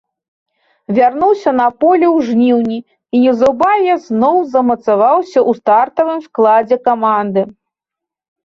Вярнуўся на поле ў жніўні і неўзабаве зноў замацаваўся ў стартавым складзе каманды.